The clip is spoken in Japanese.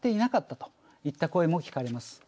といった声も聞かれます。